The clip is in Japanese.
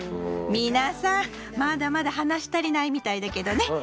皆さんまだまだ話し足りないみたいだけどね。